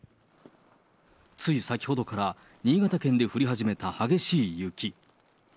つい先ほどから新潟県で降り始めた激しい雪。